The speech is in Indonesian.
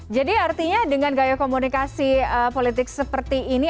jadi artinya dengan gaya komunikasi politik seperti ini